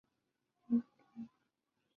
史迪威博物馆是重庆重要的陪都遗迹。